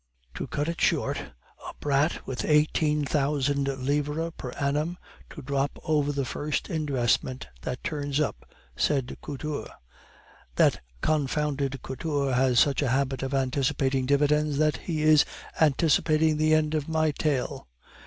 "To cut it short, a brat with eighteen thousand livres per annum to drop over the first investment that turns up," said Couture. "That confounded Couture has such a habit of anticipating dividends, that he is anticipating the end of my tale.